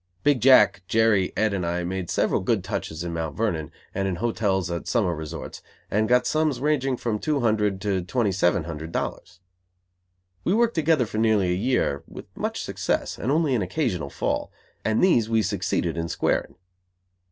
Big Jack, Jerry, Ed and I made several good touches in Mt. Vernon and in hotels at summer resorts and got sums ranging from two hundred to twenty seven hundred dollars. We worked together for nearly a year with much success and only an occasional fall, and these we succeeded in squaring.